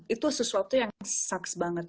itu sesuatu yang suks banget